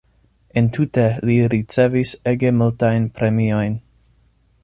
Entute li ricevis ege multajn premiojn.